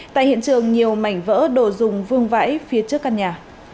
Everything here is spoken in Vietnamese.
tại hiện trường nhiều mảnh vỡ đồ dùng vương vãi phía trước căn nhà